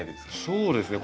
そうですね。